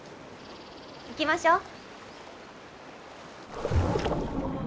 行きましょう。